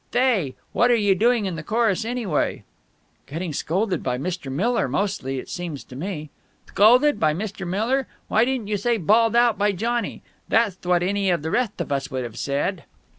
"Thay, what are you doing in the chorus, anyway?" "Getting scolded by Mr. Miller mostly, it seems to me. "Thcolded by Mr. Miller! Why didn't you say 'bawled out by Johnny'? That'th what any of the retht of us would have said."